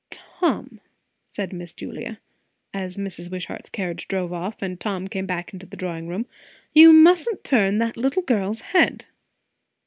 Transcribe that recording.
"Tom," said Miss Julia, as Mrs. Wishart's carriage drove off and Tom came back to the drawing room, "you mustn't turn that little girl's head."